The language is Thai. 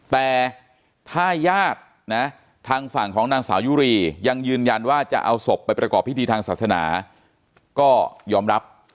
แต่ถ้าญาตินะทางฝั่งของนางสาวยุรียังยืนยันว่าจะเอาศพไปประกอบพิธีทางศาสนาก็ยอมรับ